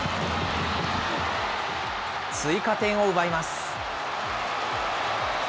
追加点を奪います。